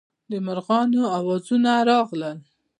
د مارغانو اوازونه راغلل.